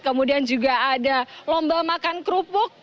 kemudian juga ada lomba makan kerupuk